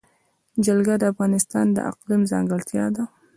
جلګه د افغانستان د اقلیم ځانګړتیا ده.